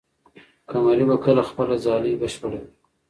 قمري به کله خپله ځالۍ بشپړه کړي؟